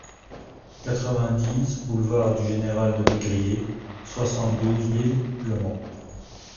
quatre-vingt-dix boulevard du Général de Négrier, soixante-douze mille Le Mans